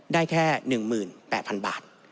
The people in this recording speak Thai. ได้แค่๑๘๐๐๐บาท